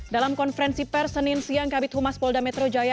dalam konferensi persenin siang kabit humas polda metro jaya